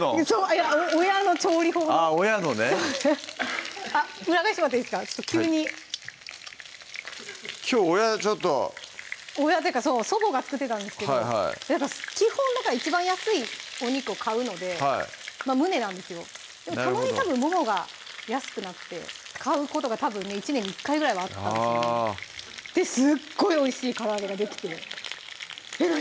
いや親の調理法のあぁ親のねあっ裏返してもらっていいですか急に「きょう親ちょっと」親っていうか祖母が作ってたんですけどやっぱ基本一番安いお肉を買うので胸なんですよでもたまにたぶんももが安くなって買うことがたぶんね１年に１回ぐらいはあったんですよねですっごいおいしいからあげができて「えっ何？